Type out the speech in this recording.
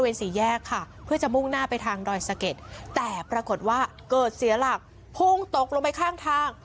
ถูกมาจากทางรอยสะเก็ดแต่ปรากฏว่าเกิดเสียหลักพุ่งตกลงไปข้างทาง